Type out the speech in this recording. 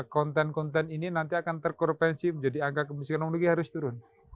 konten konten ini nanti akan terkorupensi menjadi angka kemiskinanologi harus turun